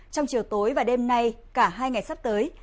trong chiều tối và đêm nay cả hai ngày sắp tới